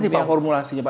apa nih pak formulasinya